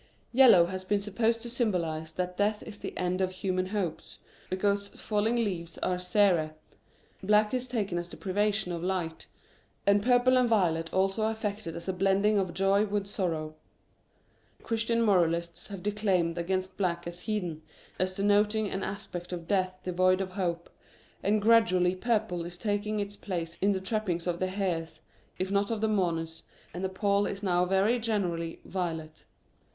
Yellow has been supposed to symbolise that death is the end'Of human hopes, because falling leaves are sere ; black is taken as the privation of light ; and purple or violet also affected as a blending of jpy with sorrow. Christian moralists have declaimed against black as heathen, as denoting an aspect of death devoid of hope, and gradually purple is taking its place in the trappings of the hearse, if not of the mourners, and the pall is now very generally violet.